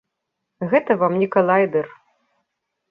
Гэта вам не калайдэр.